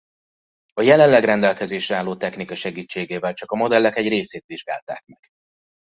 A jelenleg rendelkezésre álló technika segítségével csak a modellek egy részét vizsgálták meg.